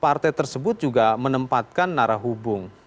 partai tersebut juga menempatkan narah hubung